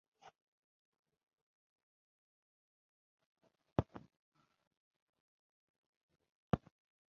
Los adultos generalmente comienzan con un esteroide antiinflamatorio llamado prednisona.